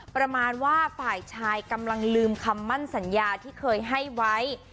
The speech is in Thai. ประมาณว่าฝ่ายชายกำลังลืมคำมั่นสัญญาที่เคยให้ไว้